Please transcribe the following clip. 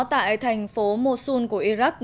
tại thành phố mosul của iraq